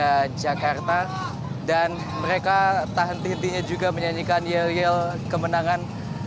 persija jakarta dan mereka tahan tihitinya juga menyanyikan yel yel kemenangan